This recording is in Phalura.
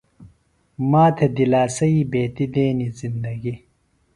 ماتھے دِلاسیئی بیتیۡ دنے زندگی۔